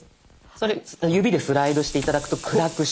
それ指でスライドして頂くと暗くしたり。